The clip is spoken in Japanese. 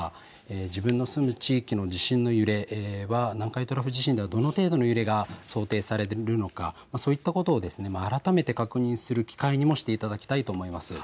自分の住む地域の地震の揺れは南海トラフ地震ではどの程度の揺れが想定されるのか、そういったことを改めて確認する機会にもしていただきたいと思います。